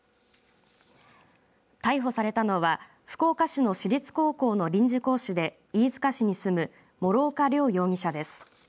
逮捕されたのは福岡市の市立高校の臨時講師で飯塚市に住む諸岡凌容疑者です。